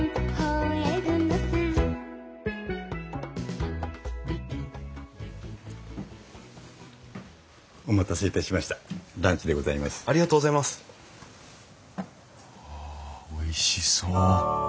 わあおいしそう。